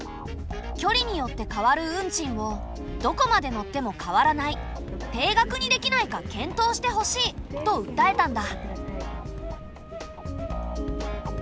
きょりによって変わる運賃を「どこまで乗っても変わらない定額にできないか検討してほしい」と訴えたんだ。